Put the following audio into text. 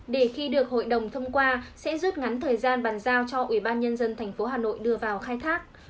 để khi được hội đồng thông qua sẽ rút ngắn thời gian bàn giao cho ủy ban nhân dân tp hà nội đưa vào khai thác